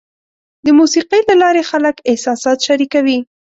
د موسیقۍ له لارې خلک احساسات شریکوي.